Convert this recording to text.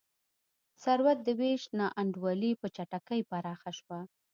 ثروت د وېش نا انډولي په چټکۍ پراخه شوه.